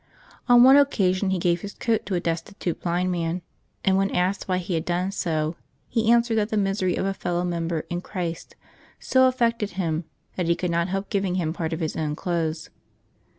On one occasion he gave his coat to a destitute blind man, and when asked why he had done so, he answered that the misery of a fellow member in Christ so affected him that he could not help giving him part of his own clothes.